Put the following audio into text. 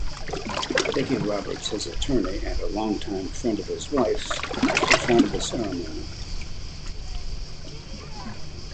Vicki Roberts, his attorney and a longtime friend of his wife's, performed the ceremony.